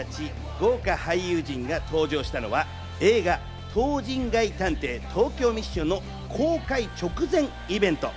豪華俳優陣が登場したのは映画『唐人街探偵東京ＭＩＳＳＩＯＮ』の公開直前イベント。